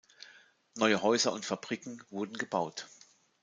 Neue Häuser und Fabriken wurden gebaut.